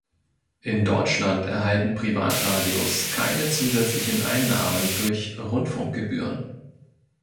In Deutschland erhalten Privatradios keine zusätzlichen Einnahmen durch Rundfunkgebühren.